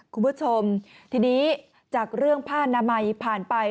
คุณผู้ชมทีนี้จากเรื่องผ้านามัยผ่านไป